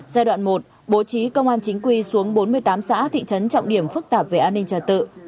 giai đoạn một bố trí công an chính quy xuống bốn mươi tám xã thị trấn trọng điểm phức tạp về an ninh trật tự